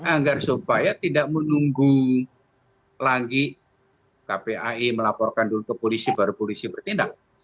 agar supaya tidak menunggu lagi kpai melaporkan dulu ke polisi baru polisi bertindak